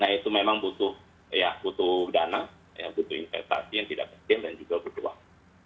nah itu memang butuh ya butuh dana ya butuh investasi yang tidak kesejam dan juga butuh waktu